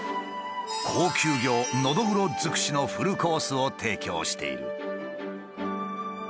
高級魚ノドグロ尽くしのフルコースを提供している。